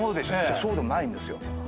そうでもないんですよ。